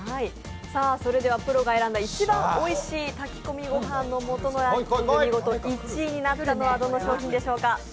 それでは、プロが選んだ一番おいしい炊き込みご飯の素のランキング、見事１位になったのは、どの商品でしょうか。